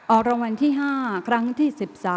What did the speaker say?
ออกระวันที่๕ครั้งที่๑๑